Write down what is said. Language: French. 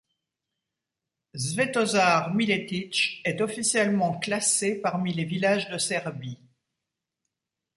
Svetozar Miletić est officiellement classé parmi les villages de Serbie.